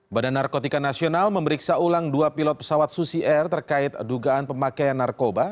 badan narkotika nasional memeriksa ulang dua pilot pesawat susi air terkait dugaan pemakaian narkoba